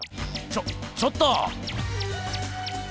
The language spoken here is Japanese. ちょちょっと！